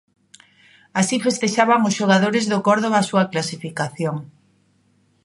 Así festexaban os xogadores do Córdoba a súa clasificación.